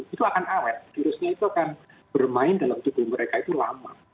itu akan awet virusnya itu akan bermain dalam tubuh mereka itu lama